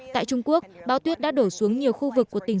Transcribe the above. tại trung quốc bão tuyết đã đổ xuống nhiều khu vực của tây ninh